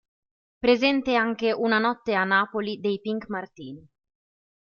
Presente anche "Una notte a Napoli" dei Pink Martini.